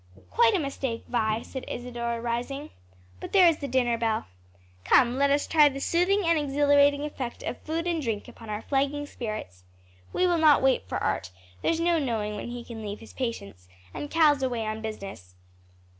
"Quite a mistake, Vi," said Isadore rising. "But there is the dinner bell. Come let us try the soothing and exhilarating effect of food and drink upon our flagging spirits. We will not wait for Art; there's no knowing when he can leave his patients; and Cal's away on business."